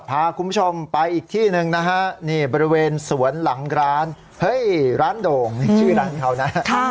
พาคุณผู้ชมไปอีกที่หนึ่งนะฮะนี่บริเวณสวนหลังร้านเฮ้ยร้านโด่งนี่ชื่อร้านเขานะ